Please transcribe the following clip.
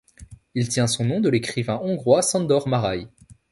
Il tient son nom de l'écrivain hongrois Sándor Márai.